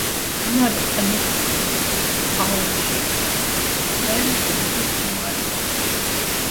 მდინარე ყლიჩის აუზში ყველაზე დიდი მყინვარია.